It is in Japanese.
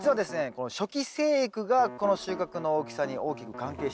この初期生育がこの収穫の大きさに大きく関係しております。